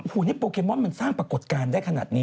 โอ้โหนี่โปเกมอนมันสร้างปรากฏการณ์ได้ขนาดนี้